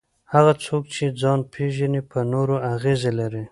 هغه څوک چې ځان پېژني پر نورو اغېزه لري.